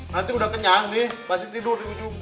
nanti udah kenyang nih pasti tidur di ujung